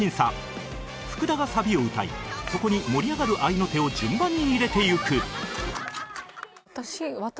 福田がサビを歌いそこに盛り上がる合いの手を順番に入れてゆく